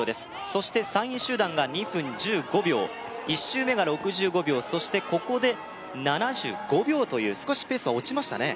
そして３位集団が２分１５秒１周目が６５秒そしてここで７５秒という少しペースは落ちましたね